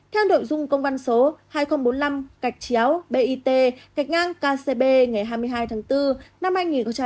theo đội dung công văn số hai nghìn bốn mươi năm bit kcb ngày hai mươi hai tháng bốn năm hai nghìn hai mươi bốn